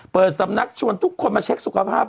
เปิดสำนักชวนทุกคนมาเช็คสุขภาพ